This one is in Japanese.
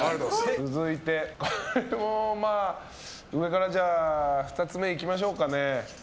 続いて、これもまあ上から２つ目行きましょうかね。